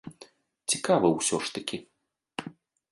Цікава ўсё ж такі.